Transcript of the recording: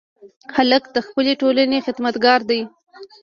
هلک د خپلې ټولنې خدمتګار دی.